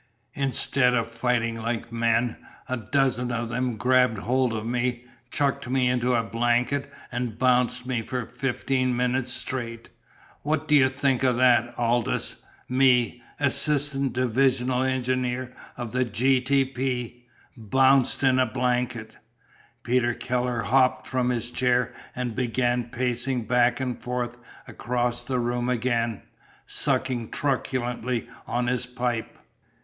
Instead of fighting like men, a dozen of them grabbed hold of me, chucked me into a blanket, an' bounced me for fifteen minutes straight! What do you think of that, Aldous? Me assistant divisional engineer of the G.T.P. bounced in a blanket!" Peter Keller hopped from his chair and began pacing back and forth across the room again, sucking truculently on his pipe.